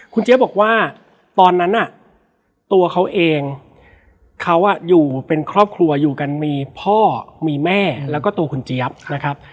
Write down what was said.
คุณเจี๊ยบบอกว่าตอนนั้นน่ะตัวเขาเองเขาอยู่เป็นครอบครัวอยู่กันมีพ่อมีแม่แล้วก็ตัวคุณเจี๊ยบนะครับ